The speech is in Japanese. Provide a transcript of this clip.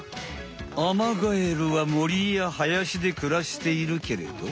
アマガエルはもりやはやしでくらしているけれど。